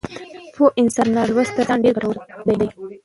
پوه انسان تر نالوستي انسان ډېر ګټور دی.